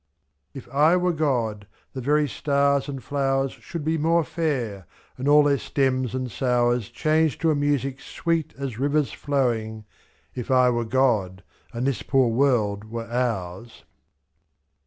55 If I were God, the very stars and flowers Should be more fair, and all the sterns and sours 1 1^> Change to a music sweet as rivers flowing — If I were God, and this poor world were ours.